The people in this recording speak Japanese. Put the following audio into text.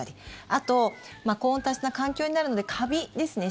あと、高温多湿な環境になるのでカビですね。